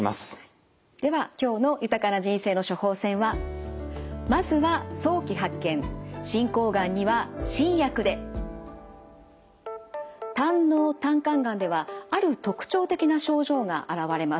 では今日の「豊かな人生の処方せん」は胆のう・胆管がんではある特徴的な症状が現れます。